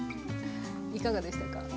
いかがでしたか？